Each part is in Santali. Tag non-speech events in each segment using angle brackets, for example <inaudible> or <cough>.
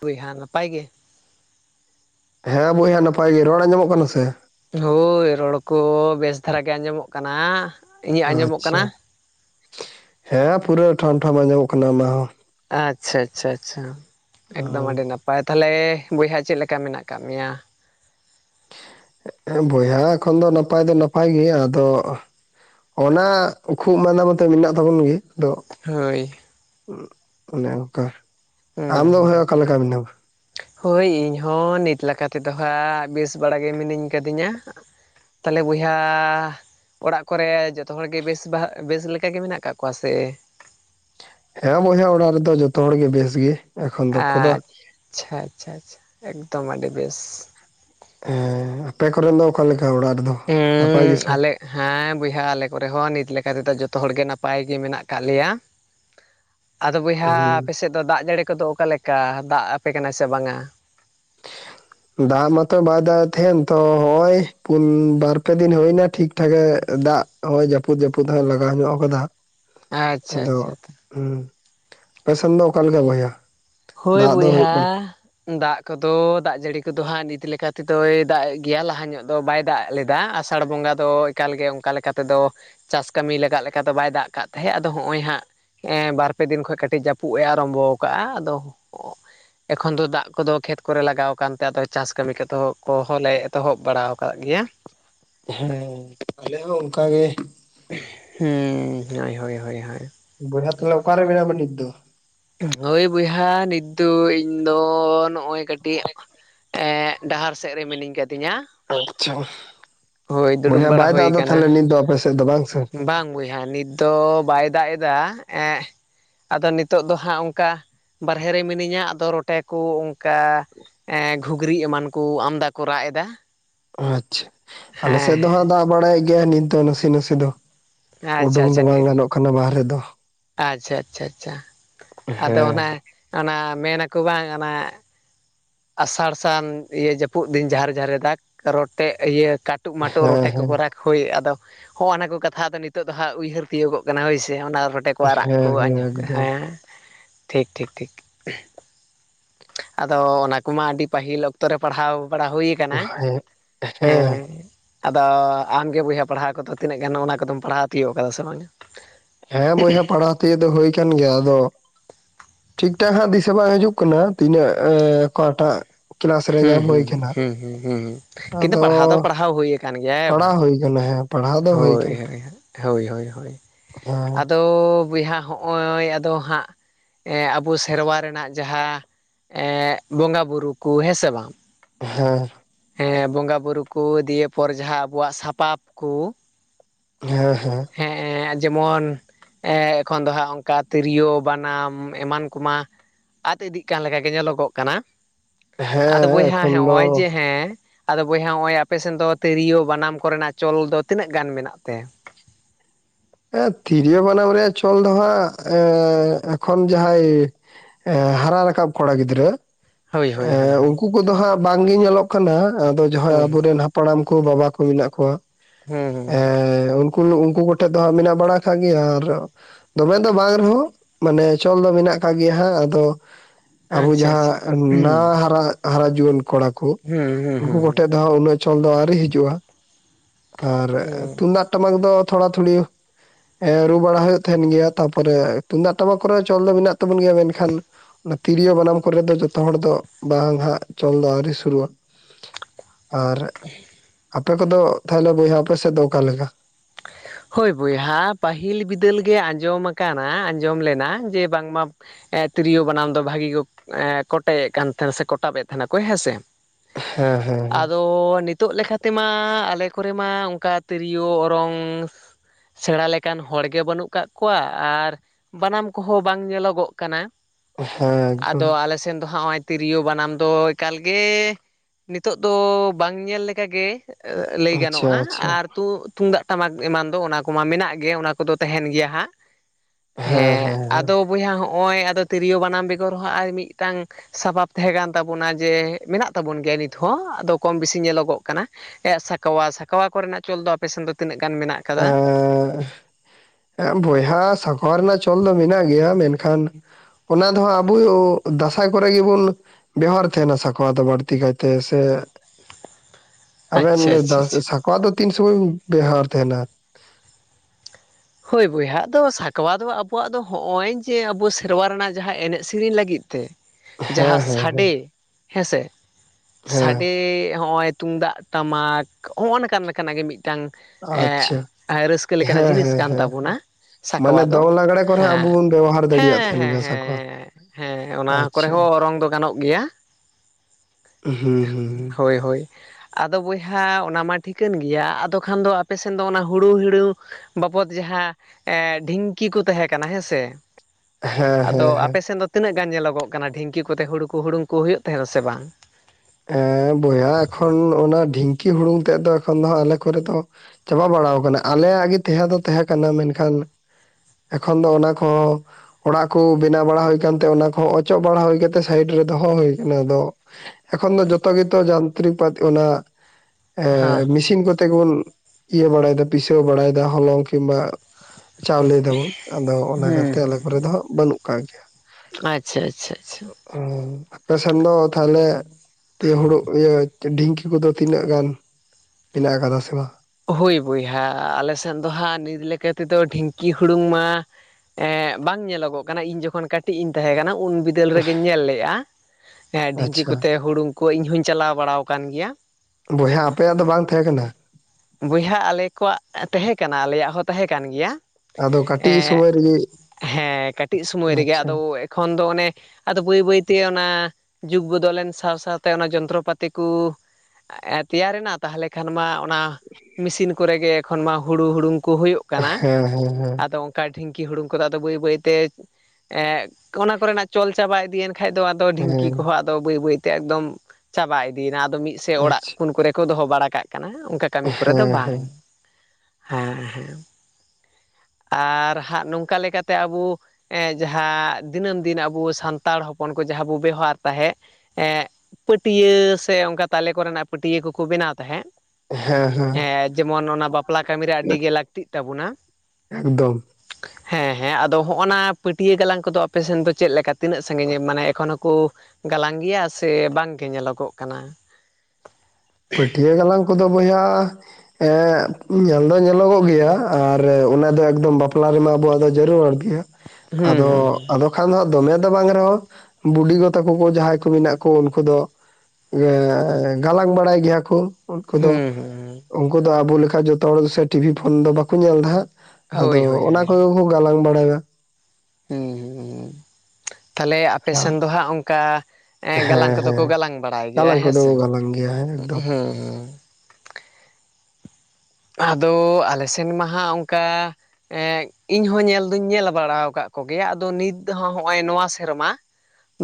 ᱵᱚᱭᱦᱟ ᱱᱟᱯᱟᱭ ᱜᱮ? ᱦᱮᱸ ᱵᱚᱭᱦᱟ ᱱᱟᱯᱟᱭ ᱜᱮ, ᱨᱚᱲ ᱟᱸᱡᱚᱢᱚᱜ ᱠᱟᱱᱟ ᱥᱮ? ᱦᱳᱭ ᱨᱚᱲ ᱠᱚ ᱵᱮᱥ ᱫᱷᱟᱨᱟ ᱜᱮ ᱟᱸᱡᱚᱢᱚᱜ ᱠᱟᱱᱟ᱾ ᱤᱧᱟᱹᱜ ᱟᱸᱡᱚᱢᱚᱜ ᱠᱟᱱᱟ? ᱟᱪᱪᱷᱟ ᱦᱮᱸ ᱯᱩᱨᱟᱹ ᱴᱷᱟᱢ ᱴᱷᱟᱢ ᱟᱢᱚᱜ ᱠᱟᱱᱟ ᱚᱱᱟ ᱦᱚᱸ ᱟᱪᱪᱷᱟ ᱟᱪᱪᱷᱟ ᱮᱠᱫᱚᱢ ᱟᱹᱰᱤ ᱦᱚᱸ᱾ ᱱᱟᱯ᱾ ᱯᱟᱭ ᱛᱟᱦᱮᱞᱮ ᱵᱚᱭᱦᱟ ᱪᱮᱫ ᱞᱮᱠᱟ ᱢᱮᱱᱟᱜ ᱟᱠᱟᱜ ᱢᱮᱭᱟ? ᱵᱚᱭᱦᱟ ᱮᱠᱷᱚᱱ ᱫᱚ ᱱᱟᱯᱟᱭ ᱫᱚ ᱱᱟᱯᱟᱭ ᱜᱮ ᱟᱫᱚ, ᱚᱱᱟ ᱠᱷᱩᱜ ᱢᱟᱸᱫᱟ ᱢᱟᱛᱚ ᱢᱤᱱᱟᱜ ᱛᱟᱵᱚᱱ ᱜᱤ᱾ ᱦᱳᱭ, ᱚᱱᱮ ᱚᱱᱠᱟ᱾ ᱟᱢ ᱫᱚ ᱦᱮᱸᱦᱮᱸ᱾ ᱵᱚᱭᱦᱟ ᱚᱠᱟ ᱞᱮᱠᱟ ᱢᱮᱱᱟᱢᱟ? ᱦᱳᱭ ᱤᱧᱦᱚ ᱱᱤᱛ ᱞᱮᱠᱟᱛᱮᱫᱚ ᱦᱟᱸᱜ ᱵᱮᱥ ᱵᱟᱲᱟᱜᱮ ᱢᱤᱱᱟᱹᱧ ᱠᱟᱹᱫᱤᱧᱟ᱾ ᱛᱟᱞᱮ ᱵᱚᱭᱦᱟ ᱚᱲᱟᱜ ᱠᱚᱨᱮ ᱡᱚ ᱡᱚᱛᱚ ᱦᱚᱲᱜᱮ ᱵᱮᱥ ᱵᱟᱦᱟ ᱵᱮᱥ ᱞᱮᱠᱟᱜᱮ ᱢᱮᱱᱟᱜ ᱟᱠᱜ ᱠᱚᱣᱟ ᱥᱮ? ᱦᱮᱸ ᱵᱚᱭᱦᱟ ᱚᱲᱟᱜ ᱨᱮᱫᱚ ᱡᱚᱛᱚ ᱦᱚᱲ ᱜᱮ ᱵᱮᱥ ᱜᱮ᱾ ᱮᱠᱷᱚᱱ ᱫᱚ ᱮᱻ ᱠᱷᱚᱫᱟ ᱪᱷᱟ ᱪᱷᱟ ᱟᱪᱪᱷᱟ ᱮᱠᱫᱚᱢ ᱟᱹᱰᱤ ᱵᱮᱥ᱾ ᱦᱮᱸ ᱟᱯᱮ ᱠᱚᱨᱮᱫ ᱫᱚ ᱱᱚᱠᱟ ᱞᱮᱠᱟ ᱚᱲᱟᱜ ᱨᱮ ᱫᱚ? ᱦᱩᱸᱻ ᱟᱞᱮ, ᱦᱮᱸ ᱵᱚᱭᱦᱟ ᱟᱞᱮ ᱠᱚᱨᱮᱦᱚ ᱱᱤᱛ ᱞᱮᱠᱟᱛᱮᱫᱚ ᱡᱚᱛᱚ ᱦᱚᱲᱜᱮ ᱱᱟᱯᱟᱭ ᱜᱮ ᱢᱮᱱᱟᱜ ᱟᱠᱟᱜ ᱞᱮᱭᱟ᱾ ᱟᱫᱚ ᱵᱚᱭᱦᱟ ᱟᱯᱮ ᱦᱩᱸ ᱥᱮᱫ ᱫᱚ ᱫᱟᱜ ᱡᱟᱹᱲᱤ ᱠᱚᱫᱚ ᱚᱠᱟᱞᱮᱠᱟ ᱫᱟᱜ ᱟᱯᱮ ᱠᱟᱱᱟ ᱥᱮ ᱵᱟᱝᱟ-ᱟ? <unintelligible> ᱫᱟᱜ ᱢᱟᱛᱚ ᱵᱟᱭ ᱫᱟᱜ ᱛᱟᱦᱮ-ᱟ ᱱᱤᱛᱚ ᱦᱚᱳᱭ ᱯᱩᱱ ᱵᱟᱨᱯᱮ ᱫᱤᱱ ᱦᱩᱭ ᱱᱟ ᱴᱷᱤᱠᱴᱷᱟᱠᱮ ᱫᱟᱜ ᱦᱳᱭ ᱡᱟᱹᱯᱩᱫ ᱡᱟᱹᱯᱩᱫ ᱦᱟᱸᱜ ᱞᱟᱜᱟᱣ ᱧᱚᱜ ᱟᱠᱟᱫᱟ ᱦᱟᱜ᱾ ᱟᱪᱪᱷᱟ ᱟᱪᱪᱷᱟ ᱛᱚ, ᱦᱩᱸ ᱯᱮ ᱥᱮᱱ ᱫᱚ ᱚᱠᱟᱞᱮᱠᱟ ᱵᱚᱭᱦᱟ? ᱦᱳᱭ ᱫᱟᱜ ᱫᱚ ᱦᱩᱭᱩᱜ ᱵᱚᱭᱦᱟ, ᱠᱟᱱᱟ? ᱫᱟᱜ ᱠᱚᱫᱚ ᱫᱟᱜ ᱡᱟᱹᱲᱤ ᱠᱚᱫᱚ ᱦᱟᱸᱜ ᱱᱤᱫᱤ ᱞᱮᱠᱟ ᱛᱮᱫᱚᱭ ᱫᱟᱜ-ᱮᱜ ᱜᱮᱭᱟ ᱞᱟᱦᱟ ᱧᱚᱜ ᱫᱚ ᱵᱟᱭ ᱫᱟᱜ ᱞᱮᱫᱟ᱾ ᱟᱥᱟᱲ ᱵᱚᱸᱜᱟ ᱫᱚ ᱮᱠᱟᱞᱜᱮ ᱚᱱᱠᱟ ᱞᱮᱠᱟᱛᱮᱫᱚ ᱪᱟᱥ ᱠᱟᱹᱢᱤ ᱞᱟᱜᱟᱜ ᱞᱮᱠᱟ ᱫᱚ ᱵᱟᱭ ᱫᱟᱜ ᱠᱟᱜ ᱛᱟᱦᱮᱸᱫ ᱟᱫᱚ ᱦᱚᱸᱜᱼᱚᱭ ᱦᱟᱸᱜ, ᱦᱮ ᱵᱟᱨᱯᱮ ᱫᱤᱱ ᱠᱷᱚᱱᱚᱡ ᱠᱟᱹᱴᱤᱡ ᱡᱟᱹᱯᱩᱜ-ᱮ ᱟᱨᱟᱢᱵᱚ ᱠᱟᱜᱼᱟ ᱟᱫᱚ ᱮᱠᱷᱚᱱ ᱫᱚ ᱫᱟᱜ ᱠᱚᱫᱚ ᱠᱷᱮᱛ ᱠᱚᱨᱮ ᱞᱟᱜᱟᱣ ᱠᱟᱱᱛᱮ ᱟᱫᱚ ᱪᱟᱥ ᱠᱟᱹᱢᱤ ᱠᱮᱛᱚᱦᱚᱵ ᱠᱚᱦᱚᱸ ᱞᱮ ᱮᱛᱚᱦᱚᱵ ᱵᱟᱲᱟ ᱠᱟᱜ ᱜᱮᱭᱟ᱾ ᱦᱮᱸ ᱟᱞᱮ ᱦᱚᱸ ᱚᱱᱠᱟᱜᱮ, ᱦᱩᱸ ᱦᱳᱭ ᱦᱳᱭ ᱦᱳᱭ ᱦᱟᱭ, ᱵᱚᱭᱦᱟ ᱛᱟᱦᱮᱞᱮ ᱚᱠᱟᱨᱮ ᱢᱮᱱᱟ ᱱᱤᱫ ᱫᱚ? ᱦᱳᱭ ᱵᱚᱭᱦᱟ ᱱᱤᱛ ᱫᱚ ᱤᱧ ᱫᱚ ᱱᱚᱜ ᱚᱜ-ᱚᱭ ᱠᱟᱹᱴᱤᱜ ᱮᱸᱻ ᱰᱟᱦᱟᱨ ᱥᱮᱜ ᱨᱮ ᱢᱤᱱᱟᱹᱧ ᱠᱟᱹᱫᱤᱧᱟ᱾ ᱟᱪᱪᱷᱟ ᱵᱚᱭᱦᱟ ᱵᱟᱭ ᱫᱟᱜ ᱦᱩᱭ ᱮᱫᱟ ᱠᱟᱱᱟ ᱛᱟᱦᱚᱞᱮ ᱱᱤᱛ ᱫᱚ ᱟᱯᱮ ᱥᱮᱫ ᱫᱚ ᱵᱟᱝ ᱥᱮ? ᱵᱟᱝ ᱵᱚᱭᱦᱟ ᱱᱤᱛ ᱫᱚ ᱵᱟᱭ ᱫᱟᱜ ᱮᱫᱟ ᱮᱜ ᱟᱫᱚ ᱱᱤᱛ, ᱱᱤᱛᱚᱜ ᱫᱚ ᱦᱟᱸᱜ ᱚᱱᱠᱟ ᱵᱟᱨᱦᱮ ᱨᱮ ᱢᱤᱱᱟᱹᱧᱟ ᱟᱫᱚ ᱨᱚᱴᱮ ᱠᱚ ᱚᱱᱠᱟ, ᱜᱷᱩᱜᱽᱲᱤ ᱮᱢᱟᱱ ᱠᱚ ᱟᱢᱫᱟ ᱠᱚ ᱨᱟᱜ ᱮᱫᱟ᱾ ᱟᱪᱪᱷᱟ ᱟᱞᱮ ᱦᱮᱸ ᱥᱮᱫ ᱫᱚ ᱦᱮᱸ ᱦᱟᱸᱜ ᱫᱟᱜ ᱵᱟᱲᱟᱭᱮᱫ ᱜᱮᱭᱟ ᱱᱤᱛ ᱫᱚ ᱱᱟᱥᱮ ᱱᱟᱥᱮ ᱫᱚ᱾ ᱟᱪᱪᱷᱟ ᱩᱰᱩᱝ ᱫᱚ ᱟᱪᱪᱷᱟ ᱵᱟᱝ ᱱᱤᱛ ᱜᱟᱱᱚᱜ ᱠᱟᱱᱟ ᱵᱟᱦᱨᱮ ᱫᱚ ᱟᱪᱪᱷᱟ ᱟᱪᱷᱟ ᱟᱪᱷᱟ, ᱟᱫᱚ ᱦᱮᱸ ᱚᱱᱟ ᱚᱱᱟ ᱢᱮᱱᱟ ᱟᱠᱩ ᱵᱟᱝ ᱚᱱᱟ, ᱟᱥᱟᱲ ᱥᱟᱱ ᱤᱭᱟᱹ ᱡᱟᱹᱯᱩᱫ ᱫᱤᱱ ᱡᱷᱟᱨ ᱡᱷᱟᱨᱮ ᱫᱟᱜᱽ ᱨᱚᱴᱮᱡ ᱤᱭᱟᱹ ᱠᱟᱴ ᱠᱟᱹᱴᱩ ᱢᱟᱹᱴᱳᱜ ᱦᱮᱸ ᱨᱚᱴᱮ ᱦᱮᱸ ᱠᱚᱠᱚ ᱨᱟᱜᱽ᱾ ᱦᱳᱭ ᱟᱫᱚ ᱦᱚᱸᱜᱼᱱᱟ ᱠᱚ ᱠᱟᱛᱷᱟ ᱟᱫᱚ ᱱᱤᱛᱚᱜ ᱫᱚ ᱦᱟᱸᱜ ᱩᱭᱦᱟᱹᱨ ᱛᱤᱭᱳᱜᱚᱜ ᱠᱟᱱᱟ ᱦᱳᱭ ᱥᱮ ᱚᱱᱟ ᱨᱚ ᱴᱮ ᱠᱳᱣᱟᱜ ᱨᱟᱜ ᱦᱮᱸ ᱠᱩ ᱦᱮᱸ ᱟᱸᱡᱚᱢ ᱮᱠᱫᱚᱢ ᱦᱮᱸ ᱴᱷᱤᱠ ᱴᱷᱤᱠ ᱴᱷᱤᱠ, ᱟᱫᱚ ᱚᱱᱟ ᱠᱚᱢᱟ ᱟᱹᱰᱤ ᱯᱟᱹᱦᱤᱞ ᱚᱠᱛᱚ ᱨᱮ ᱯᱟᱲᱦᱟᱣ ᱵᱟᱲᱟ ᱦᱩᱭ ᱠᱟᱱᱟ ᱦᱮᱸ ᱦᱮᱸᱼᱼ ᱦᱮᱸ ᱟᱫᱚ ᱟᱢᱜᱮ ᱵᱚᱭᱦᱟ ᱯᱟᱲᱦᱟᱣ ᱠᱚᱫᱚ ᱛᱤᱱᱟᱹᱜ ᱜᱟᱱᱚᱜᱼᱟ ᱚᱱᱟ ᱠᱚᱫᱚᱢ ᱯᱟᱲᱦᱟᱣ ᱛᱤᱭᱳᱜ ᱠᱟᱫᱟ ᱥᱮ ᱵᱟᱝᱟ ᱦᱮᱸ ᱵᱚᱭᱦᱟ ᱯᱟᱲᱦᱟᱣ ᱛᱤᱭᱟᱹᱜ ᱫᱚ ᱦᱩᱭ ᱠᱟᱱ ᱜᱮᱭᱟ ᱟᱫᱚᱼᱼ ᱴᱷᱤᱠ ᱴᱷᱟᱠ ᱦᱟᱸᱜ ᱫᱤᱥᱟᱹ ᱵᱟᱝ ᱦᱤᱡᱩᱜ ᱠᱟᱱᱟ ᱛᱤᱱᱟᱹᱜ ᱚᱠᱟᱴᱟᱜ‌ ᱠᱮᱞᱟᱥ ᱨᱮ ᱦᱩᱸ ᱧᱟᱢ ᱦᱩᱭ ᱦᱩᱸ ᱠᱟᱱᱟ ᱦᱩᱸ ᱦᱩᱸ ᱦᱩᱸ ᱠᱤᱱᱛᱩ ᱟᱫᱚ ᱯᱟᱲᱦᱟᱣ ᱫᱚ ᱯᱟᱲᱦᱟᱣ ᱦᱩᱭ ᱟᱠᱟᱱ ᱜᱮᱭᱟ ᱦᱮᱸ ᱯᱟᱲᱦᱟᱣ ᱵᱟᱝ? ᱦᱩᱭ ᱟᱠᱟᱱᱟ ᱦᱮᱸᱼᱼ ᱯᱟᱲᱦᱟᱣ ᱫᱚ ᱦᱩᱭ ᱦᱳᱭ ᱟᱠᱟᱱᱟ ᱦᱳᱭ ᱦᱳᱭ ᱦᱳᱭ ᱦᱳᱭ ᱟᱫᱚ ᱵᱚᱭᱦᱟ ᱦᱚᱜᱼᱚᱭ ᱟᱫᱚ ᱦᱟᱸᱜ ᱮᱸ ᱟᱵᱚ ᱥᱮᱨᱣᱟ ᱨᱮᱱᱟᱜ ᱡᱟᱦᱟᱸ ᱮᱸ ᱵᱚᱸᱜᱟ ᱵᱩᱨᱩ ᱠᱚ ᱦᱮᱸ ᱥᱮ ᱵᱟᱝ ᱦᱮᱸ ᱮᱸ ᱵᱚᱸᱜᱟ ᱵᱩᱨᱩ ᱠᱚ ᱫᱤᱭᱮ ᱯᱚᱨ ᱡᱟᱦᱟᱸ ᱟᱵᱚᱣᱟᱜ ᱥᱟᱯᱟᱵ ᱠᱚᱼᱼ ᱦᱮᱸ ᱦᱮᱸ ᱦᱮᱸᱻ ᱡᱮᱢᱚᱱᱼᱼ ᱮᱠᱷᱚᱱ ᱫᱚ ᱦᱟᱸᱜ ᱚᱱᱠᱟ ᱛᱤᱨᱭᱳ ᱵᱟᱱᱟᱢ ᱮᱢᱟᱱ ᱠᱚᱢᱟ ᱟᱫ ᱤᱫᱤᱜ ᱠᱟᱱ ᱞᱮᱠᱟ ᱜᱮ ᱧᱮᱞᱚᱜᱚᱜ ᱠᱟᱱᱟ ᱟᱫᱚ ᱦᱮᱸ ᱵᱚᱭᱦᱟ ᱮᱠᱷᱚᱱ ᱫᱚ ᱱᱚᱜᱼᱚᱭ ᱡᱮ ᱦᱮᱸ ᱟᱫᱚ ᱵᱚᱭᱦᱟ ᱱᱚᱜᱼᱚᱭ ᱟᱯᱮ ᱥᱮᱱ ᱫᱚ ᱛᱤᱨᱭᱳ ᱵᱟᱱᱟᱢ ᱠᱚ ᱨᱮᱱᱟᱜ ᱪᱚᱞ ᱫᱚ ᱛᱤᱱᱟᱹᱜ ᱜᱟᱱ ᱢᱮᱱᱟᱜ ᱛᱮᱼᱼ ᱦᱮᱸ ᱛᱤᱨᱭᱳ ᱵᱟᱱᱟᱢ ᱨᱮᱭᱟᱜ ᱪᱚᱞ ᱫᱚ ᱦᱟᱸᱜ ᱮ ᱮᱠᱷᱚᱱ ᱡᱟᱦᱟᱸᱭ ᱮ ᱦᱟᱨᱟ ᱨᱟᱠᱟᱵ ᱠᱚᱲᱟ ᱜᱤᱫᱽᱨᱟᱹᱼᱼ ᱦᱳᱭ ᱦᱳᱭ ᱦᱳᱭ ᱮᱸ ᱦᱳᱭ ᱩᱱᱠᱩ ᱠᱚᱫᱚ ᱦᱟᱸᱜ ᱵᱟᱝᱜᱮ ᱧᱮᱞᱚᱜ ᱠᱟᱱᱟ ᱟᱫᱚ ᱡᱚᱦᱚᱭ ᱦᱩᱸ ᱟᱵᱚ ᱨᱮᱱ <unintelligible> ᱦᱟᱯᱲᱟᱢ ᱠᱚ ᱵᱟᱵᱟ ᱠᱚ ᱢᱮᱱᱟᱜ ᱠᱚᱣᱟ ᱦᱩᱸ ᱦᱩᱸ ᱮᱸ ᱩᱱᱠᱩ ᱩᱱᱠᱩ <unintelligible> ᱴᱷᱮᱡ ᱫᱚ ᱦᱟᱸᱜ ᱢᱮᱱᱟᱜ ᱵᱟᱲᱟ ᱠᱟᱜ ᱜᱮᱭᱟ ᱟᱨ ᱫᱚᱢᱮ ᱫᱚ ᱵᱟᱝ ᱨᱮᱦᱚᱸ ᱢᱟᱱᱮ ᱪᱚᱞ ᱫᱚ ᱢᱮᱱᱟᱜ ᱟᱠᱟᱜ ᱜᱮᱭᱟ ᱦᱟᱸᱜ ᱟᱫᱚ ᱟᱵᱩ ᱟᱪᱪᱷᱟ ᱟᱪᱪᱷᱟ ᱡᱟᱦᱟᱸ ᱱᱟ ᱦᱩᱸ ᱦᱟᱨᱟ ᱦᱟᱨᱟ ᱡᱩᱣᱟᱹᱱ ᱠᱚᱲᱟ ᱠᱩ ᱦᱩᱸ ᱦᱩᱸ ᱩᱱᱠᱩ ᱦᱩᱸ ᱠᱚ ᱴᱷᱮᱱ <unintelligible> ᱩᱱᱟᱹᱜ ᱪᱷᱚᱞ ᱫᱚ ᱟᱹᱣᱨᱤ ᱦᱤᱡᱩᱜᱼᱟ ᱟᱨ ᱦᱩᱸ ᱛᱩᱢᱫᱟᱜ ᱴᱟᱢᱟᱠ ᱫᱚ ᱛᱷᱚᱲᱟ ᱛᱷᱩᱲᱤ ᱦᱮᱸ ᱨᱩ ᱵᱟᱲᱟ ᱦᱩᱭᱩᱜ ᱛᱟᱦᱮᱱ ᱜᱮᱭᱟ ᱛᱟᱨᱯᱚᱨᱮ ᱛᱩᱢᱫᱟᱜ ᱴᱟᱢᱟᱠ ᱠᱚᱨᱮ ᱪᱚᱞ ᱫᱚ ᱢᱮᱱᱟᱜ ᱛᱟᱵᱚᱱ ᱜᱮᱭᱟ ᱢᱮᱱ ᱠᱷᱟᱱ ᱚᱱᱟ ᱛᱤᱨᱭᱳ ᱵᱟᱱᱟᱢ ᱠᱚᱨᱮ ᱫᱚ ᱡᱚᱛᱚ ᱦᱚᱲ ᱫᱚ ᱵᱟᱝ ᱦᱟᱸᱜ ᱪᱚᱞ ᱫᱚ ᱟᱹᱣᱨᱤ ᱥᱩᱨᱩᱜᱼᱟ ᱟᱨ <inaudible> ᱟᱯᱮ ᱠᱚᱫᱚ ᱛᱟᱦᱚᱞᱮ ᱵᱚᱭᱦᱟ ᱟᱯᱮ ᱥᱮᱫ ᱫᱚ ᱚᱠᱟ ᱞᱮᱠᱟ? <inaudible> ᱦᱳᱭ ᱵᱚᱭᱦᱟ ᱯᱟᱹᱦᱤᱞ ᱵᱤᱫᱟᱹᱞ ᱜᱮ ᱟᱸᱡᱚᱢ ᱟᱠᱟᱱᱟ ᱟᱸᱡᱚᱢ ᱞᱮᱱᱟ ᱡᱮ ᱵᱟᱝᱢᱟᱼᱼ ᱛᱤᱨᱭᱳ ᱵᱟᱱᱟᱢ ᱫᱚ ᱵᱷᱟᱜᱤ ᱠᱚ ᱠᱚᱴᱮᱡᱮᱫ ᱠᱟᱱ ᱛᱟᱦᱮᱱᱟ ᱥᱮ ᱠᱚᱴᱟᱵ ᱮᱫ ᱛᱟᱦᱮᱱ ᱟᱠᱚ ᱦᱮᱸ ᱥᱮ ᱦᱮᱸ ᱦᱮᱸ ᱟᱫᱚ ᱱᱤᱛᱼᱼ ᱱᱤᱛᱚᱜ ᱞᱮᱠᱟ ᱛᱮᱢᱟ ᱟᱞᱮ ᱠᱚᱨᱮ ᱢᱟ ᱚᱱᱠᱟ ᱛᱤᱨᱭᱳ ᱚᱨᱚᱝ ᱥᱮᱬᱟ ᱞᱮᱠᱟᱱ ᱦᱚᱲ ᱜᱮ ᱵᱟᱹᱱᱩᱜ ᱟᱠᱟᱜ ᱠᱚᱣᱟ ᱟᱨᱼᱼ ᱵᱟᱱᱟᱢ ᱠᱚ ᱦᱚᱸ ᱵᱟᱝ ᱧᱮᱞᱚᱜᱚᱜ ᱠᱟᱱᱟ ᱦᱮᱸ ᱦᱮᱸ ᱟᱫᱚ ᱮᱠᱫᱚᱢ ᱟᱞᱮ ᱥᱮᱱ ᱫᱚ ᱱᱚᱜ-ᱚᱭ ᱛᱤᱨᱭᱳ ᱵᱟᱱᱟᱢ ᱫᱚ ᱮᱠᱟᱞ ᱜᱮ ᱱᱤᱛᱚᱜ ᱫᱚ ᱵᱟᱝ ᱧᱮᱞ ᱞᱮᱠᱟ ᱜᱮ ᱞᱟᱹᱭ ᱜᱟᱱᱚᱜᱼᱟ ᱟᱪᱪᱷᱟ ᱟᱪᱪᱷᱟ ᱟᱨ ᱛᱩ ᱛᱩᱢᱫᱟᱜ ᱴᱟᱢᱟᱠ ᱮᱢᱟᱱ ᱫᱚ ᱚᱱᱟ ᱠᱚᱢᱟ ᱢᱮᱱᱟᱜ ᱜᱮ ᱚᱱᱟ ᱠᱚᱫᱚ ᱛᱟᱦᱮᱱ ᱜᱮᱭᱟ ᱦᱟᱸᱜ ᱦᱮᱸ ᱟᱫᱚᱼᱼ ᱵᱚᱭᱦᱟ ᱦᱚᱜᱼᱚᱭ ᱟᱫᱚ ᱛᱤᱨᱭᱳ ᱵᱟᱱᱟᱢ ᱵᱮᱜᱚᱨ ᱦᱚᱸ ᱟᱨ ᱢᱤᱫᱴᱟᱝ ᱥᱟᱯᱟᱵ ᱛᱟᱦᱮᱸ ᱠᱟᱱ ᱛᱟᱵᱳᱱᱟ ᱡᱮ ᱢᱮᱱᱟᱜ ᱛᱟᱵᱚᱱ ᱜᱮᱭᱟ ᱱᱤᱛᱦᱚᱸ ᱟᱫᱚ ᱠᱚᱢ ᱵᱮᱥᱤ ᱧᱮᱞᱚᱜᱚᱜ ᱠᱟᱱᱟ ᱮ ᱥᱟᱸᱠᱚᱣᱟ ᱥᱟᱸᱠᱚᱣᱟ ᱠᱚ ᱨᱮᱱᱟᱜ ᱪᱚᱞ ᱫᱚ ᱟᱯᱮ ᱥᱮᱱ ᱫᱚ ᱛᱤᱱᱟᱹᱜ ᱜᱟᱱ ᱢᱮᱱᱟᱜ ᱟᱠᱟᱫᱟ <unintelligible> ᱦᱮᱸ ᱵᱚᱭᱦᱟ ᱥᱟᱸᱠᱣᱟ ᱨᱮᱱᱟᱜ ᱪᱚᱞ ᱫᱚ ᱢᱮᱱᱟᱜ ᱜᱮᱭᱟ ᱢᱮᱱ ᱠᱷᱟᱱ ᱚᱱᱟ ᱫᱚ ᱦᱟᱜ ᱟᱵᱚ ᱫᱟᱸᱥᱟᱭ ᱠᱚ ᱨᱮ ᱜᱮᱵᱚᱱᱼᱼ ᱵᱮᱣᱦᱟᱨ ᱛᱟᱦᱮᱱᱟ ᱥᱟᱠᱚᱣᱟ ᱫᱚ ᱵᱟᱹᱲᱛᱤ ᱠᱟᱭ ᱛᱮ ᱥᱮᱼᱼ <inaudible> ᱟᱵᱮᱱ ᱟᱪᱪᱷᱟ ᱟᱪᱪᱷᱟ ᱟᱪᱪᱷᱟ ᱥᱟᱸᱠᱣᱟ ᱫᱚ ᱛᱤᱱ ᱥᱚᱢᱚᱭ ᱵᱮᱱ ᱵᱮᱣᱦᱟᱨ ᱛᱟᱦᱮᱱᱟ? ᱦᱳᱭ ᱵᱚᱭᱦᱟ ᱫᱚ ᱥᱟᱸᱠᱣᱟ ᱫᱚ ᱟᱵᱚᱣᱟᱜ ᱫᱚ ᱦᱚᱜᱼᱚᱭ ᱡᱮ ᱟᱵᱚ ᱥᱮᱨᱣᱟ ᱨᱮᱱᱟᱜ ᱡᱟᱦᱟᱸ ᱮᱱᱮᱡ ᱥᱮᱨᱮᱧ ᱞᱟᱹᱜᱤᱫ ᱛᱮ ᱦᱮᱸ ᱡᱟᱦᱟᱸ ᱦᱮᱸ ᱥᱟᱰᱮ ᱦᱮᱸᱥᱮ᱾ ᱦᱮᱸ ᱥᱟᱰᱮ ᱦᱚᱸᱜᱼᱚᱭ ᱛᱩᱢᱫᱟᱜ ᱴᱟᱢᱟᱠ ᱦᱚᱸᱜᱼᱚ ᱱᱚᱝᱠᱟᱱᱟᱜ ᱜᱮ ᱢᱤᱫ ᱢᱤᱫᱴᱟᱝ ᱮ ᱟᱪᱪᱷᱟ ᱨᱟᱹᱥᱠᱟᱹ ᱞᱮᱠᱟᱱᱟᱜ ᱦᱮᱸ ᱡᱤᱱᱤᱥ ᱦᱮᱸ ᱠᱟᱱ ᱦᱮᱸ ᱛᱟᱵᱚᱱᱟ᱾ ᱢᱟᱱᱮ ᱥᱟᱸᱠᱣᱟ ᱫᱚ ᱫᱚᱝ ᱞᱟᱜᱽᱲᱮ ᱠᱚᱨᱮ ᱟᱵᱚ ᱦᱮᱸ ᱵᱚᱱ ᱵᱮᱵᱚᱦᱟᱨ ᱫᱟᱲᱮᱭᱟᱜ ᱦᱮᱸ ᱦᱮᱸ ᱛᱟᱦᱮᱱ ᱦᱮᱸ ᱜᱮᱭᱟ ᱥᱟᱠᱣᱟ ᱦᱮᱸ ᱦᱮᱸ ᱚᱱᱟ ᱠᱚᱨᱮ ᱟᱪᱪᱷᱟ ᱦᱚᱸ ᱨᱚᱝ ᱫᱚ ᱜᱟᱱᱚᱜ ᱜᱮᱭᱟ, ᱦᱩᱸ ᱦᱩᱸ ᱦᱩᱸ ᱦᱳᱭ ᱦᱳᱭ᱾ ᱟᱫᱚ ᱵᱚᱭᱦᱟ ᱚᱱᱟ ᱢᱟ ᱴᱷᱤᱠᱟᱹᱱ ᱜᱮᱭᱟ ᱟᱫᱚ ᱠᱷᱟᱱ ᱫᱚ ᱟᱯᱮ ᱥᱮᱱ ᱫᱚ ᱚᱱᱟ ᱦᱩᱲᱩ ᱦᱤᱲᱟᱹᱣ ᱵᱟᱵᱚᱫ ᱡᱟᱦᱟᱸ ᱰᱷᱤᱝᱠᱤ ᱠᱚ ᱛᱟᱦᱮᱸ ᱠᱟᱱᱟ ᱦᱮᱸ ᱥᱮ ᱦᱮᱸ ᱟᱫᱚ ᱦᱮᱸ ᱦᱮᱸ ᱟᱯᱮᱥᱮᱱ ᱫᱚ ᱛᱤᱱᱟᱹᱜ ᱜᱟᱱ ᱧᱮᱞᱚᱜ ᱠᱟᱱᱟ ᱰᱷᱤᱝᱠᱤ ᱠᱚᱛᱮ ᱦᱩᱲᱩ ᱠᱚ ᱦᱩᱲᱩᱝ ᱠᱚ ᱦᱩᱭᱩᱜ ᱛᱟᱦᱮᱱᱟ ᱥᱮ ᱵᱟᱝ? ᱵᱚᱭᱦᱟ ᱮᱠᱷᱚᱱ ᱚᱱᱟ ᱰᱷᱤᱝᱠᱤ ᱦᱩᱲᱩᱝ ᱛᱮᱫ ᱫᱚ ᱮᱠᱷᱚᱱ ᱫᱚ ᱟᱞᱮ ᱠᱚᱨᱮ ᱫᱚ ᱪᱟᱵᱟ ᱵᱟᱲᱟ ᱠᱟᱱᱟ ᱟᱞᱮᱭᱟᱜ ᱜᱮ ᱛᱟᱦᱮᱸ ᱫᱚ ᱛᱟᱦᱮᱸ ᱠᱟᱱᱟ ᱢᱮᱱᱠᱷᱟᱱ ᱮᱠᱷᱚᱱ ᱫᱚ ᱚᱱᱟ ᱠᱚᱦᱚᱸ ᱚᱲᱟᱜ ᱠᱚ ᱵᱮᱱᱟᱣ ᱵᱟᱲᱟ ᱦᱳᱭ ᱠᱟᱱᱛᱮ ᱚᱱᱟ ᱠᱚᱦᱚᱸ ᱚᱪᱚᱜ ᱵᱟᱲᱟ ᱦᱩᱭ ᱠᱟᱛᱮ ᱥᱟᱭᱤᱰ ᱨᱮ ᱫᱚᱦᱚ ᱦᱳᱭ ᱠᱟᱱᱟ ᱟᱫᱚ <inaudible> ᱮᱠᱷᱚᱱ ᱫᱚ ᱡᱚᱛᱚ ᱜᱮᱛᱚ ᱡᱟᱱᱛᱨᱤᱠ ᱯᱟᱛᱤ ᱚᱱᱟ ᱦᱮᱸ ᱢᱮᱥᱤᱱ ᱠᱚᱛᱮ ᱜᱮᱵᱚᱱ ᱤᱭᱟᱹ ᱵᱟᱲᱟᱭᱮᱫᱟ ᱯᱤᱥᱟᱹᱣ ᱵᱟᱲᱟᱭᱮᱫᱟ ᱦᱚᱞᱚᱝ ᱠᱤᱝᱵᱟ ᱪᱟᱣᱞᱮ ᱫᱟᱵᱚᱱ ᱟᱫᱚ ᱚᱱᱟ ᱦᱮᱸ ᱠᱟᱨᱛᱮ ᱟᱞᱮ ᱦᱮᱸ ᱠᱚᱨ ᱫᱚ ᱦᱟᱸᱜ ᱵᱟᱹᱱᱩᱜ ᱠᱟᱜ ᱜᱮᱭᱟ᱾ ᱟᱪᱪᱷᱟ ᱟᱪᱪᱷᱟ ᱟᱪᱪᱷᱟ᱾ ᱚ ᱟᱯᱮᱥᱮᱱ ᱫᱚ ᱛᱟᱦᱚᱞᱮ ᱦᱩᱲᱩ ᱤᱭᱟᱹ ᱰᱷᱤᱝᱠᱤ ᱠᱚᱫᱚ ᱛᱤᱱᱟᱹᱜ ᱜᱟᱱ ᱢᱮᱱᱟᱜ ᱟᱠᱟᱫᱟ ᱥᱮ ᱵᱟᱝ? ᱦᱳᱭ ᱵᱚᱭᱦᱟ ᱟᱞᱮᱥᱮᱫ ᱫᱚ ᱦᱟᱸᱜ ᱱᱤᱛ ᱞᱮᱠᱟᱛᱮᱫᱚ ᱰᱷᱤᱝᱠᱤ ᱦᱩᱲᱩᱝ ᱢᱟ ᱮ ᱵᱟᱝ ᱧᱮᱞᱚᱜᱚᱜ ᱠᱟᱱᱟ ᱤᱧ ᱡᱚᱠᱷᱚᱱ ᱠᱟᱹᱴᱤᱡ ᱤᱧ ᱛᱟᱦᱮᱸ ᱠᱟᱱᱟ ᱩᱱᱵᱤ ᱫᱟᱹᱞ ᱨᱮᱜᱮᱧ ᱧᱮᱞ ᱞᱮᱫᱜᱼᱟ, ᱰᱷᱤᱝᱠᱤ ᱟᱪᱪᱷᱟ ᱠᱚᱛᱮ ᱦᱩᱲᱩᱝ ᱠᱚ ᱤᱧ ᱦᱚᱸᱧ ᱪᱟᱞᱟᱣ ᱵᱟᱲᱟ ᱠᱟᱱ ᱜᱮᱭᱟ᱾ ᱵᱚᱭᱦᱟ ᱟᱯᱮᱭᱟᱜ ᱫᱚ ᱵᱟᱝ ᱛᱟᱦᱮᱸ ᱠᱟᱱᱟ? ᱵᱚᱭᱦᱟ ᱟᱞᱮ ᱠᱚᱣᱟᱜ ᱛᱟᱦᱮᱸ ᱠᱟᱱᱟ ᱟᱞᱮᱭᱟᱜ ᱦᱚᱸ ᱛᱟᱦᱮᱸ ᱠᱟᱱ ᱜᱮᱭᱟ᱾ ᱟᱫᱚ ᱮ ᱠᱟᱹᱴᱤᱡ ᱥᱚᱢᱚᱭ ᱨᱮᱜᱮ ᱦᱮᱸ ᱠᱟᱹᱴᱤᱡ ᱥᱚᱢᱚᱭ ᱨᱮᱜᱮ ᱟᱪᱪᱷᱟ ᱟᱫᱚ ᱮᱠᱷᱚᱱ ᱫᱚ ᱚᱱᱮ ᱟᱫᱚ ᱵᱟᱹᱭ ᱵᱟᱹᱭᱛᱮ ᱚᱱᱟ ᱡᱩᱜᱽ ᱵᱚᱫᱚᱞᱮᱱ ᱥᱟᱶ ᱥᱟᱶᱛᱮ ᱚᱱᱟ ᱡᱚᱱᱛᱨᱚᱯᱟᱹᱛᱤ ᱠᱚ ᱛᱮᱭᱟᱨᱮᱱᱟ ᱛᱟᱦᱚᱞᱮ ᱠᱷᱟᱱ ᱢᱟ ᱚᱱᱟ ᱢᱮᱥᱤᱱ ᱠᱚᱨᱮ ᱜᱮ ᱮᱠᱷᱚᱱ ᱢᱟ ᱦᱩᱲᱩ ᱦᱩᱲᱩᱝ ᱠᱚ ᱦᱩᱭᱩᱜ ᱠᱟᱱᱟ ᱦᱮᱸ ᱦᱮᱸ ᱦᱮᱸ ᱟᱫᱚ ᱚᱠᱟ ᱰᱷᱤᱝᱠᱤ ᱦᱩᱲᱩᱝ ᱠᱚᱫᱚ ᱟᱫᱚ ᱵᱟᱹᱭ ᱵᱟᱹᱭᱛᱮ ᱚᱱᱟ ᱠᱚᱨᱮᱱᱟᱜ ᱪᱚᱞ ᱪᱟᱵᱟ ᱤᱫᱤᱭᱮᱱ ᱠᱷᱟᱡ ᱫᱚ᱾ ᱰᱷᱤᱝᱠᱤ ᱦᱮᱸ ᱠᱚᱦᱚᱸ ᱟᱫᱚ ᱵᱟᱹᱭ ᱵᱟᱹᱭᱛᱮ ᱮᱠᱚᱫᱚᱢ ᱪᱟᱵᱟ ᱤᱫᱤᱭᱮᱱᱟ ᱟᱫᱚ ᱥᱮ ᱚᱲᱟᱜ ᱟᱪᱪᱷᱟ ᱠᱩᱱ ᱠᱚᱨᱮ ᱠᱚ ᱫᱚᱦᱚ ᱵᱟᱲᱟ ᱠᱟᱜ ᱠᱟᱱᱟ ᱚᱱᱠᱟ ᱠᱟᱹᱢᱤ ᱠᱚᱨᱮ ᱫᱚ ᱦᱮᱸ ᱵᱟᱝ᱾ ᱦᱮᱸ ᱦᱮᱸ ᱦᱮᱸ᱾ ᱟᱨ ᱦᱟᱸᱜ ᱱᱚᱝᱠᱟ ᱞᱮᱠᱟᱛᱮ ᱟᱵᱚ ᱡᱟᱦᱟᱸ ᱫᱤᱱᱟᱹᱢ ᱫᱤᱱ ᱟᱵᱚ ᱥᱟᱱᱛᱟᱲ ᱦᱚᱯᱚᱱ ᱠᱚ ᱡᱟᱦᱟᱸ ᱵᱚ ᱵᱮᱣᱦᱟᱨ ᱛᱟᱦᱮᱸᱫ ᱮᱜ ᱯᱟᱹᱴᱭᱟᱹ ᱥᱮ ᱚᱱᱠᱟ ᱛᱟᱞᱮ ᱠᱚᱨᱮᱱᱟᱜ ᱯᱟᱹᱴᱭᱟᱹ ᱠᱚᱠᱚ ᱵᱮᱱᱟᱣ ᱛᱟᱦᱮᱸᱫ ᱦᱮᱸ ᱡᱮᱢᱚᱱ ᱚᱱᱟ ᱵᱟᱯᱞᱟ ᱠᱟᱹᱢᱤ ᱨᱮ ᱟᱹᱰᱤ ᱜᱮ ᱞᱟᱹᱠᱛᱤᱜ ᱛᱟᱵᱚᱱᱟ᱾ ᱮᱠᱫᱚᱢ᱾ ᱦᱮᱸ ᱦᱮᱸ ᱟᱫᱚ ᱦᱚᱜᱼᱚᱭ ᱱᱟ ᱯᱟᱹᱴᱭᱟᱹ ᱜᱟᱞᱟᱝ ᱠᱚᱫᱚ ᱟᱯᱮᱥᱮᱱ ᱫᱚ ᱪᱮᱫ ᱞᱮᱠᱟ ᱛᱤᱱᱟᱹᱜ ᱥᱟᱹᱜᱤᱧ ᱢᱟᱱᱮ ᱮᱠᱷᱚᱱᱳᱠᱚ ᱜᱟᱞᱟᱝ ᱜᱮᱭᱟ ᱥᱮ ᱵᱟᱝᱜᱮ ᱧᱮᱞᱚᱜᱚᱜ ᱠᱟᱱᱟ? ᱯᱟᱹᱴᱭᱟᱹ ᱜᱟᱞᱟᱝ ᱠᱚᱫᱚ ᱵᱚᱭᱦᱟ ᱮᱸ ᱧᱮᱞ ᱫᱚ ᱧᱮᱞᱚᱜᱚᱜ ᱜᱮᱭᱟ ᱟᱨ ᱚᱱᱟ ᱫᱚ ᱮᱠᱫᱚᱢ ᱵᱟᱯᱞᱟ ᱨᱮᱢᱟ ᱟᱵᱚᱣᱟᱜ ᱫᱚ ᱡᱚᱨᱩᱨᱟᱛ ᱜᱮᱭᱟ᱾ ᱦᱩᱸ ᱟᱫᱚ ᱦᱩᱸ ᱦᱩᱸ ᱟᱫᱚ ᱠᱷᱟᱱ ᱫᱚ ᱦᱟᱸᱜ ᱫᱚᱢᱮ ᱫᱚ ᱵᱟᱝ ᱨᱮᱦᱚᱸ ᱵᱩᱰᱤᱜᱚ ᱛᱟᱠᱚ ᱡᱟᱦᱟᱸᱭ ᱠᱚ ᱢᱮᱱᱟᱜ ᱠᱚ ᱩᱱᱠᱩ ᱫᱚ ᱮ ᱜᱟᱞᱟᱝ ᱵᱟᱲᱟᱭ ᱜᱮᱭᱟ ᱠᱚ ᱩᱱᱠᱩ ᱫᱚ, ᱦᱩᱸ ᱦᱩᱸ ᱩᱱᱠᱩ ᱫᱚ ᱟᱵᱚ ᱞᱮᱠᱟ ᱡᱚᱛᱚ ᱦᱚᱲ ᱫᱚᱥᱮ ᱴᱤᱵᱷᱤ ᱯᱷᱳᱱ ᱫᱚ ᱵᱟᱠᱚ ᱧᱮᱞ ᱫᱟ ᱦᱟᱸᱜ᱾ ᱟᱫᱚ ᱦᱳᱭ ᱦᱳᱭ ᱚᱱᱟ ᱦᱳᱭ ᱠᱚᱜᱮ ᱠᱚ ᱜᱟᱞᱟᱝ ᱵᱟᱲᱟᱭᱟ᱾ ᱦᱩᱸ ᱦᱩᱸ ᱦᱩᱸ ᱛᱟᱦᱞᱮ ᱟᱯᱮ ᱟᱨ ᱥᱮᱱ ᱫᱚ ᱦᱟᱸᱜ ᱚᱱᱠᱟ ᱮ ᱜᱟᱞᱟᱝ ᱦᱮᱸ ᱠᱚᱫᱚ ᱠᱚ ᱦᱮᱸ ᱜᱟᱞᱟᱝ ᱵᱟᱲᱟᱭ ᱜᱮᱭᱟ ᱜᱟᱞᱟᱝ ᱠᱚᱫᱚ ᱦᱮᱸᱥᱮ ᱠᱚ ᱦᱩᱸ ᱜᱟᱞᱟᱝ ᱜᱮᱭᱟ ᱦᱮᱸ ᱮᱠᱫᱚᱢ ᱦᱩᱸ᱾ ᱟᱫᱚ ᱟᱞᱮ ᱥᱮᱱᱢᱟ ᱦᱟᱸᱜ ᱚᱱᱠᱟ ᱮ ᱤᱧ ᱦᱚᱸ ᱧᱮᱞ ᱫᱩᱧ ᱧᱮᱞ ᱵᱟᱲᱟᱣ ᱠᱟᱫ ᱠᱚᱜᱮᱭᱟ ᱟᱫᱚ ᱱᱤᱛ ᱫᱚ ᱦᱚᱸᱜᱼᱚᱭ ᱱᱚᱣᱟ ᱥᱮᱨᱢᱟ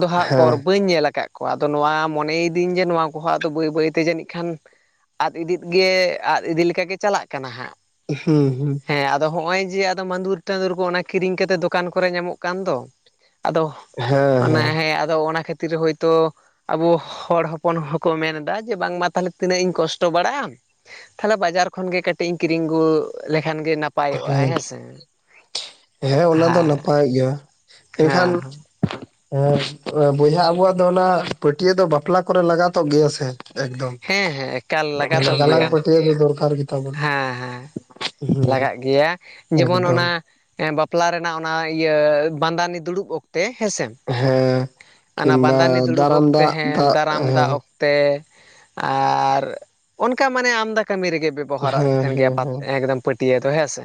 ᱫᱚᱦᱟᱜ ᱠᱚᱨ ᱦᱮᱸ ᱵᱟᱹᱧ ᱧᱮᱞ ᱠᱟᱜ ᱠᱚᱣᱟ ᱟᱫᱚ ᱱᱚᱣᱟ ᱢᱚᱱᱮᱭᱮᱫᱟᱹᱧ ᱡᱮ ᱱᱚᱣᱟ ᱠᱚᱦᱚᱸᱫᱚ ᱵᱟᱹᱭ ᱵᱟᱹᱭᱛᱮ ᱡᱟᱹᱱᱤᱡ ᱠᱷᱟᱱ ᱟᱫ ᱤᱫᱤᱜ ᱜᱮ ᱟᱫ ᱤᱫᱤᱞᱮᱠᱟᱜᱮ ᱪᱟᱞᱟᱜ ᱠᱟᱱᱟ ᱦᱟᱸᱜ᱾ ᱦᱩᱸ ᱦᱩᱸ᱾ ᱦᱮᱸ ᱟᱫᱚ ᱦᱚᱸᱜ ᱚᱭ ᱡᱮ ᱟᱫᱚ ᱢᱟᱫᱩᱨ ᱴᱟᱸᱫᱩᱨ ᱠᱚ ᱚᱱᱟ ᱠᱤᱨᱤᱧ ᱠᱟᱛᱮᱜ ᱫᱚᱠᱟᱱ ᱠᱚᱨᱮ ᱧᱟᱢᱚᱜ ᱠᱟᱱ ᱫᱚ᱾ ᱟᱫᱚ ᱚᱱᱟ ᱦᱮᱸ ᱟᱫᱚ ᱚᱱᱟ ᱠᱷᱟᱹᱛᱤᱨ ᱦᱳᱭᱛᱳ ᱟᱵᱚ ᱦᱚᱲ ᱦᱚᱯᱚᱱ ᱦᱚᱸᱠᱚ ᱢᱮᱱ ᱮᱫᱟ ᱡᱮ ᱵᱟᱝᱢᱟ ᱛᱟᱦᱚᱞᱮ ᱛᱤᱱᱟᱹᱜ ᱤᱧ ᱠᱚᱥᱴᱚ ᱵᱟᱲᱟᱜᱼᱟ᱾ ᱛᱷᱟᱞᱮ ᱵᱟᱡᱟᱨ ᱠᱷᱚᱱᱜᱮ ᱠᱟᱹᱴᱤᱡ ᱤᱧ ᱠᱤᱨᱤᱧ ᱟᱹᱜᱩ ᱞᱮᱠᱷᱟᱱ ᱜᱮ ᱱᱟᱯᱟᱭᱚᱜᱼᱟ ᱦᱮᱸ ᱦᱮᱸᱥᱮ᱾ ᱦᱮᱸ ᱚᱱᱟ ᱫᱚ ᱱᱟᱯᱟᱭ ᱜᱮᱭᱟ ᱢᱮᱱᱠᱷᱟᱱ, ᱦᱮᱸ ᱵᱚᱭᱦᱟ ᱟᱵᱚᱣᱟᱜ ᱫᱚ ᱚᱱᱟ ᱯᱟᱹᱴᱭᱟᱹ ᱫᱚ ᱵᱟᱯᱞᱟ ᱠᱚᱨᱮ ᱞᱟᱜᱟᱛᱚᱜ ᱜᱮᱭᱟ ᱥᱮ᱾ ᱮᱠᱫᱚᱢ ᱦᱮᱸ ᱦᱮᱸ ᱮᱠᱟᱞ ᱞᱟᱜᱟᱛᱚᱜ ᱢᱟᱱᱮ ᱜᱮᱭᱟ᱾ <unintelligible> ᱫᱚᱨᱠᱟᱨ ᱜᱮ᱾ ᱦᱮᱸ ᱦᱮᱸ ᱞᱟᱜᱟᱜ ᱜᱮᱭᱟ ᱡᱮᱢᱚᱱ ᱮᱠᱫᱚᱢ ᱚᱱᱟ᱾ ᱵᱟᱯᱞᱟ ᱨᱮᱱᱟᱜ ᱚᱱᱟ ᱤᱭᱟᱹ ᱵᱟᱸᱫᱟᱱᱤ ᱫᱩᱲᱩᱵ ᱚᱠᱛᱮ ᱦᱮᱸᱥᱮ, ᱦᱮᱸ ᱚᱱᱟ ᱠᱤᱢᱵᱟ ᱵᱟᱸᱫᱟᱱᱤ ᱫᱟᱨᱟᱢ ᱫᱟᱜ ᱫᱟᱜ ᱦᱮᱸ᱾ ᱛᱮ ᱟᱨ ᱚᱱᱠᱟ ᱢᱟᱱᱮ ᱟᱢᱫᱟ ᱠᱟᱹᱢᱤ ᱨᱮᱜᱮ ᱵᱮᱚᱦᱟᱨᱚᱜ ᱦᱮᱸ ᱠᱟᱱ ᱜᱮᱭᱟ ᱦᱮᱸ ᱯᱟᱛ ᱦᱮᱸ ᱮᱠᱫᱚᱢ᱾ ᱯᱟᱹᱴᱭᱟᱹ ᱫᱚ ᱦᱮᱸᱥᱮ,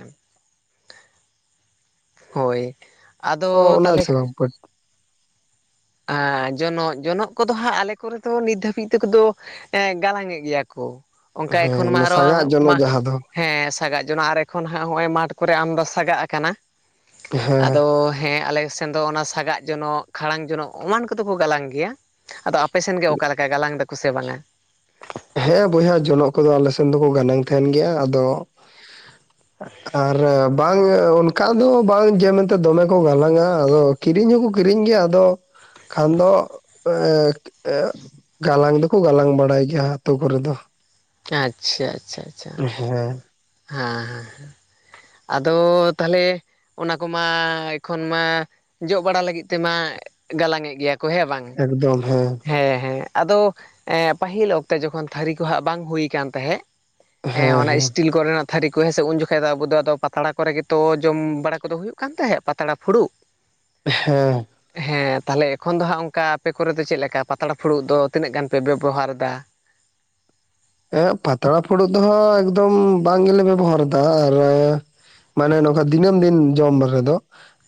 ᱦᱚᱭ ᱟᱫᱚ ᱛᱚ ᱚᱱᱟ ᱛᱟᱦᱚᱞᱮ ᱥᱮ ᱵᱟᱝ ᱟᱻ ᱡᱚᱱᱚᱜ, ᱡᱚᱱᱚᱜ ᱠᱚᱫᱚ ᱦᱟᱸᱜ ᱟᱞᱮ ᱠᱚᱨᱮ ᱫᱚ ᱱᱤᱛ ᱫᱷᱟᱹᱵᱤᱡ ᱛᱮ ᱠᱚᱫᱚ ᱮᱸ ᱜᱟᱞᱟᱝᱮᱫ ᱜᱮᱭᱟ ᱠᱚ ᱚᱱᱠᱟ ᱦᱮᱸ ᱮᱠᱷᱚᱱ ᱢᱟ ᱚᱱᱟ ᱟᱨᱚ ᱥᱟᱸᱜᱟᱜ ᱢᱟ ᱡᱚᱱᱚᱜ ᱡᱟᱦᱟᱸ ᱫᱚ ᱦᱮᱸ ᱥᱟᱜᱟᱜ ᱡᱚᱱᱟᱜ ᱟᱨ ᱮᱠᱷᱚᱱ ᱦᱟᱸᱜ ᱦᱚᱸᱜ-ᱚᱭ ᱢᱟᱴᱷ ᱠᱚᱨᱮ ᱟᱢᱫᱚ ᱥᱟᱜᱟᱜ ᱟᱠᱟᱱᱟ᱾ ᱦᱮᱸ ᱟᱫᱚ ᱦᱮᱸ ᱟᱞᱮ ᱥᱮᱱ ᱫᱚ ᱚᱱᱟ ᱥᱟᱜᱟᱜ ᱡᱚᱱᱚᱜ, ᱠᱷᱟᱲᱟᱝ ᱡᱚᱱᱚᱜ ᱮᱢᱟᱱ ᱠᱚᱫᱚ ᱠᱚ ᱜᱟᱞᱟᱝ ᱜᱮᱭᱟ ᱟᱫᱚ ᱟᱯᱮᱥᱮᱱ ᱜᱮ ᱚᱠᱟ ᱞᱮᱠᱟ ᱜᱟᱞᱟᱝ ᱫᱟᱠᱚ ᱥᱮ ᱵᱟᱝᱟ? ᱦᱮᱸ ᱵᱚᱭᱦᱟ ᱡᱚᱱᱚᱜ ᱠᱚᱫᱚ ᱟᱞᱮ ᱥᱮᱱ ᱫᱚᱠᱚ ᱜᱟᱱᱟᱝ ᱛᱟᱦᱮᱱ ᱜᱮᱭᱟ ᱟᱫᱚ, ᱟᱨ ᱵᱟᱝ ᱚᱱᱠᱟ ᱫᱚ ᱵᱟᱝ ᱡᱮ ᱢᱮᱱᱛᱮ ᱫᱚᱢᱮ ᱠᱚ ᱜᱟᱞᱟᱝᱼᱟ ᱟᱫᱚ ᱠᱤᱨᱤᱧ ᱦᱚᱸᱠᱚ ᱠᱤᱨᱤᱧ ᱜᱮᱭᱟ ᱟᱫᱚ ᱠᱷᱟᱱ ᱫᱚ ᱮᱸ ᱮᱸ ᱜᱟᱞᱟᱝ ᱫᱚᱠᱚ ᱜᱟᱞᱟᱝ ᱵᱟᱲᱟᱭ ᱜᱮᱭᱟ ᱦᱟᱸᱜ᱾ ᱟᱛᱳ ᱠᱚᱨᱮ ᱫᱚ᱾ ᱟᱪᱪᱷᱟ ᱟᱪᱪᱷᱟ ᱟᱪᱪᱷᱟ ᱟᱪᱪᱷᱟ᱾ ᱦᱮᱸ ᱦᱮᱸ ᱦᱮᱸ ᱟᱫᱚ ᱛᱟᱦᱚᱞᱮ? ᱚᱱᱟ ᱠᱚᱢᱟ ᱮᱠᱷᱚᱱ ᱢᱟ ᱡᱚᱜ ᱵᱟᱲᱟ ᱞᱟᱹᱜᱤᱫ ᱛᱮᱢᱟ ᱜᱟᱞᱟᱝᱮᱫ ᱜᱮᱭᱟ ᱠᱚ ᱦᱮᱸ ᱵᱟᱝ? ᱮᱠᱫᱚᱢ ᱦᱮᱸ᱾ ᱦᱮᱸ ᱦᱮᱸ ᱟᱫᱚ ᱮᱸ ᱯᱟᱹᱦᱤᱞ ᱚᱠᱛᱮ ᱡᱚᱠᱷᱚᱱ ᱛᱷᱟᱹᱨᱤ ᱠᱚ ᱦᱟᱸᱜ ᱵᱟᱝ ᱦᱩᱭ ᱠᱟᱱ ᱛᱟᱦᱮᱸᱜ ᱦᱮᱸ ᱚᱱᱟ ᱤᱥᱴᱤᱞ ᱠᱚᱨᱮᱱᱟᱜ ᱛᱷᱟᱹᱨᱤ ᱠᱚ ᱦᱮᱸ ᱥᱮ ᱩᱱ ᱡᱚᱠᱷᱟᱡ ᱫᱚ ᱟᱵᱚᱫᱚ ᱫᱚ ᱯᱟᱛᱲᱟ ᱠᱚᱨᱮ ᱜᱮᱛᱚ ᱡᱚᱢ ᱵᱟᱲᱟ ᱠᱚᱫᱚ ᱦᱩᱭᱩᱜ ᱠᱟᱱ ᱛᱟᱦᱮᱸᱫ ᱯᱟᱛᱲᱟ ᱯᱷᱩᱲᱩᱜ ᱾ <inaudible> ᱦᱮᱸ ᱾ ᱦᱮᱸ ᱛᱟᱦᱞᱮ ᱮᱠᱷᱚᱱ ᱫᱚ ᱦᱟᱜ ᱚᱝᱠᱟ ᱟᱯᱮ ᱠᱚᱨᱮ ᱫᱚ ᱪᱮᱫᱞᱮᱠᱟ ᱯᱟᱛᱲᱟ ᱯᱷᱩᱲᱩᱜ ᱫᱚ ᱛᱤᱱᱟᱹᱜ ᱜᱟᱱ ᱯᱮ ᱵᱮᱵᱚᱦᱟᱨ ᱫᱟ? ᱮᱸᱜ ᱯᱟᱛᱲᱟ ᱯᱷᱩᱲᱩᱜ ᱫᱚ ᱦᱟᱸᱜ ᱮᱠᱫᱚᱢ ᱵᱟᱝ ᱜᱮᱞᱮ ᱵᱮᱵᱚᱦᱟᱨ ᱮᱫᱟ ᱟᱨ ᱢᱟᱱᱮ ᱱᱚᱝᱠᱟ ᱫᱤᱱᱟᱹᱢ ᱫᱤᱱ ᱡᱚᱢ ᱨᱮᱫᱚ,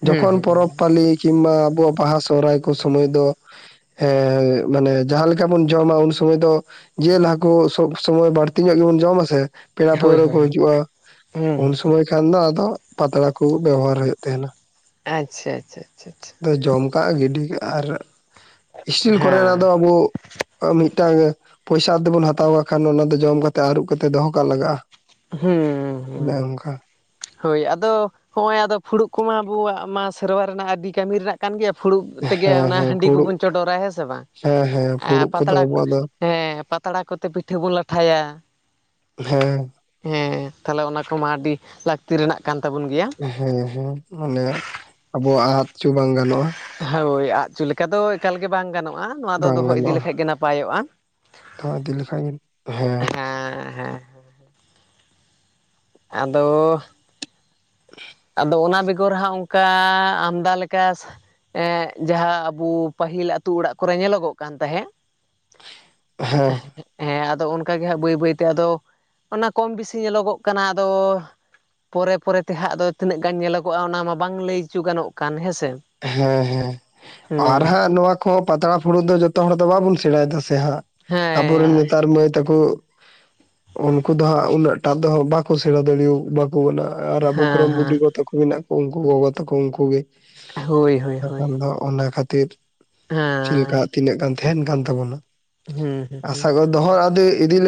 ᱦᱩᱸ ᱡᱚᱠᱷᱚᱱ ᱦᱩᱸ ᱯᱚᱨᱚᱵᱽ ᱯᱟᱞᱤ ᱠᱤᱢᱵᱟ ᱟᱵᱚᱣᱟᱜ ᱵᱟᱦᱟ ᱥᱚᱦᱨᱟᱭ ᱠᱚ ᱥᱚᱢᱚᱭ ᱫᱚ ᱾ ᱦᱮᱸ, ᱢᱟᱱᱮ ᱡᱟᱦᱟᱸᱞᱮᱠᱟ ᱵᱚᱱ ᱡᱚᱢᱟ ᱩᱱ ᱥᱚᱢᱚᱭ ᱫᱚ ᱡᱮᱞ ᱦᱟᱠᱳ ᱥᱚᱵ ᱥᱚᱢᱚᱭ ᱵᱟᱹᱲᱛᱤ ᱧᱚᱜ ᱜᱮᱵᱚᱱ ᱡᱚᱢᱟ ᱥᱮ ᱯᱮᱲᱟ ᱦᱳᱭ ᱯᱟᱹᱲᱣᱨᱟᱹ ᱠᱚ ᱦᱳᱭ ᱦᱤᱡᱩᱜᱼᱟ, ᱦᱩᱸ ᱩᱱ ᱥᱚᱢᱚᱭ ᱠᱷᱟᱱ ᱫᱚ ᱟᱫᱚ ᱯᱟᱛᱲᱟ ᱠᱩ ᱵᱮᱵᱚᱦᱟᱨ ᱦᱩᱭᱩᱜ ᱛᱟᱦᱮᱸᱱᱟ ᱾ ᱟᱪᱪᱷᱟ ᱟᱪᱪᱷᱟ ᱟᱪᱪᱷᱟ ᱟᱪᱪᱷᱟ ᱾ ᱫᱚ ᱡᱚᱢ ᱠᱟᱜᱼᱟ ᱜᱤᱰᱤ ᱠᱟᱜ ᱟᱨ ᱤᱥᱴᱤᱞ ᱦᱮᱸ ᱠᱚᱨᱮᱱᱟᱜ ᱫᱚ ᱟᱵᱚ ᱟ ᱢᱤᱫᱴᱟᱝ ᱯᱚᱭᱥᱟ ᱛᱮᱵᱩᱱ ᱦᱟᱛᱟᱣ ᱠᱷᱟᱱ ᱚᱱᱟ ᱫᱚ ᱡᱚᱢ ᱠᱟᱛᱮ ᱟᱹᱨᱩᱵ ᱠᱟᱛᱮᱫ ᱫᱚᱦᱚ ᱠᱟᱜ ᱞᱟᱜᱟᱜᱼᱟ ᱾ ᱦᱩᱸ, ᱦᱩᱸ ᱦᱩᱸ ᱾ ᱦᱳᱭ, ᱟᱫᱚ ᱦᱚᱜᱼᱚᱭ ᱟᱫᱚ ᱯᱷᱩᱲᱩᱜ ᱠᱚᱢᱟ ᱟᱵᱚᱣᱟᱜ ᱢᱟ ᱥᱮᱨᱣᱟ ᱨᱮᱱᱟᱜ ᱟᱹᱰᱤ ᱠᱟᱹᱢᱤ ᱨᱮᱱᱟᱜ ᱠᱟᱱ ᱜᱮᱭᱟ ᱯᱷᱩᱲᱩᱜ ᱛᱮᱜᱮ ᱦᱮᱸ ᱚᱱᱟ ᱦᱮᱸ ᱦᱟᱺᱰᱤ ᱯᱷᱩᱲᱩᱜ ᱠᱚᱵᱚᱱ ᱪᱚᱰᱚᱨᱟ ᱦᱮᱸ ᱥᱮ ᱵᱟᱝ? ᱦᱮᱸ ᱦᱮᱸ ᱟᱨ ᱯᱷᱩᱲᱩᱜ ᱠᱚᱫᱚ ᱯᱟᱛᱲᱟ ᱟᱵᱚᱣᱟᱜ ᱫᱚ ᱦᱮᱸ, ᱯᱟᱛᱲᱟ ᱠᱚᱛᱮ ᱯᱤᱴᱷᱟᱹ ᱵᱚ ᱞᱟᱴᱷᱟᱭᱟ ᱾ ᱦᱮᱸ ᱾ ᱦᱮᱸ, ᱛᱟᱦᱚᱞᱮ ᱚᱱᱟ ᱠᱚᱢᱟ ᱟᱹᱰᱤ ᱞᱟᱹᱠᱛᱤ ᱨᱮᱱᱟᱜ ᱠᱟᱱ ᱛᱟᱵᱚᱱ ᱜᱮᱭᱟ ᱾ ᱦᱮᱸ, ᱦᱮᱸ, ᱚᱸᱰᱮᱱᱟᱜ ᱟᱵᱚᱣᱟᱜ ᱟᱫ ᱪᱚ ᱵᱟᱝ ᱜᱟᱱᱚᱜᱼᱟ ᱾ ᱦᱳᱭ, ᱟᱫᱪᱚ ᱞᱮᱠᱟ ᱫᱚ ᱮᱠᱟᱞ ᱜᱮ ᱵᱟᱝ ᱜᱟᱱᱚᱜᱼᱟ, ᱱᱚᱣᱟ ᱫᱚ ᱵᱟᱝ ᱫᱚᱦᱚ ᱤᱫᱤ ᱜᱟᱱᱚᱜᱼᱟ ᱞᱮᱠᱟᱡ ᱜᱮ ᱱᱟᱯᱟᱭᱚᱜᱼᱟ ᱾ ᱫᱚᱦᱚ ᱤᱫᱤ ᱞᱮᱠᱷᱟᱡ ᱜᱮ, ᱦᱮᱸ ᱾ ᱟᱫᱚᱻ <inaudible> ᱟᱫᱚ ᱚᱱᱟ ᱵᱮᱜᱚᱨ ᱦᱟᱸᱜ ᱚᱝᱠᱟ ᱟᱢᱫᱟ ᱞᱮᱠᱟ ᱥᱟ ᱮᱸᱜ ᱡᱟᱦᱟᱸ ᱟᱵᱚ ᱯᱟᱹᱦᱤᱞ ᱟᱹᱛᱩ ᱚᱲᱟᱜ ᱠᱚᱨᱮ ᱧᱮᱞᱚᱜᱚᱜ ᱠᱟᱱ ᱛᱟᱦᱮᱸᱜ ᱾ ᱦᱮᱸ <unintelligible> ᱦᱮᱸ, ᱟᱫᱚ ᱚᱱᱠᱟ ᱜᱮ ᱦᱟᱜ ᱵᱟᱹᱭ ᱵᱟᱹᱭ ᱛᱮ ᱟᱫᱚ ᱚᱱᱟ ᱠᱚᱢ ᱵᱮᱥᱤ ᱧᱮᱞᱚᱜᱚᱜ ᱠᱟᱱᱟ ᱟᱫᱚ ᱯᱚᱨᱮ ᱯᱚᱨᱮ ᱛᱮ ᱦᱟᱸᱜ ᱟᱫᱚ ᱛᱤᱱᱟᱹᱜ ᱜᱟᱱ ᱧᱮᱞᱚᱜᱚᱜᱼᱟ ᱚᱱᱟ ᱢᱟ ᱵᱟᱝ ᱞᱟᱹᱭ ᱦᱚᱪᱚ ᱜᱟᱱᱚᱜ ᱠᱟᱱ, ᱦᱮᱸᱥᱮ ᱾ ᱦᱮᱸ, ᱦᱮᱸ, ᱟᱨᱦᱟᱸᱜ ᱱᱚᱣᱟ ᱠᱚᱦᱚ ᱯᱟᱛᱲᱟ ᱯᱷᱩᱲᱩᱜ ᱫᱚ ᱡᱚᱛᱚ ᱦᱚᱲ ᱫᱚ ᱵᱟᱵᱚᱱ ᱥᱮᱲᱟᱭ ᱫᱟ ᱥᱮ ᱦᱟᱸᱜ ᱾ ᱦᱮᱸ ᱾ ᱟᱵᱚᱨᱮᱱ ᱱᱮᱛᱟᱨ ᱢᱟᱹᱭ ᱛᱟᱠᱚ ᱩᱱᱠᱩ ᱫᱚ ᱦᱟᱸᱜ ᱩᱱᱟᱹᱜ ᱴᱟᱜ ᱫᱚ ᱵᱟᱠᱚ ᱥᱮᱬᱟ ᱫᱟᱲᱮᱣ ᱵᱟ ᱵᱚ ᱱᱟᱜ ᱟᱨ ᱟᱵᱚ ᱦᱮᱸ ᱠᱚᱨᱮᱝ ᱵᱩᱰᱤ ᱦᱮᱸ ᱜᱚ ᱛᱟᱠᱚ ᱢᱮᱱᱟᱜ ᱠᱚ ᱩᱝᱠᱩ ᱜᱚᱜᱚ ᱛᱟᱠᱚ ᱩᱝᱠᱩ ᱜᱮ ᱾ ᱦᱳᱭ, ᱦᱳᱭ, ᱦᱳᱭ ᱾ ᱟᱫᱚ ᱚᱱᱟ ᱠᱷᱟᱹᱛᱤᱨ ᱦᱮᱸᱻ ᱪᱮᱫ ᱞᱮᱠᱟ ᱛᱤᱱᱟᱹᱜ ᱜᱟᱱ ᱛᱟᱦᱮᱱ ᱠᱟᱱ ᱛᱟᱵᱚᱱᱟ? ᱦᱩᱸ ᱦᱩᱸ ᱦᱩᱸ ᱟᱥᱟ ᱜᱚ ᱫᱚᱦᱚ ᱟᱫᱮ ᱤᱫᱤ ᱞᱮ